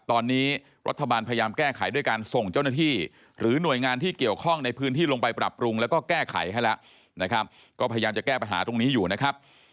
ตอนนี้รัฐบาลพยายามแก้ไขด้วยการส่งเจ้าหน้าที่หรือหน่วยงานที่เกี่ยวข้องในพื้นที่ลงไปปรับปรุงแล้วก็แก้ไขให้แล้วนะครับก็พยายามจะแก้ปัญหาตรงนี้อยู่นะครับ